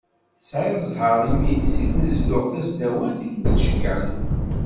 Tesɛiḍ zher imi seg tnezduɣt tasdawant i kem-id-ceggɛen.